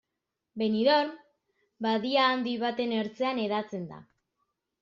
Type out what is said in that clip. Benidorm badia handi baten ertzean hedatzen da.